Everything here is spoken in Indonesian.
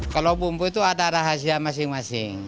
kalau bumbu itu ada rahasia masing masing